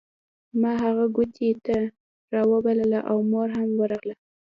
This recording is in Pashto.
ما هغه کوټې ته راوبلله او مور هم ورغله